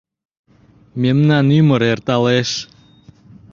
Мемнан ӱмыр эрталеш.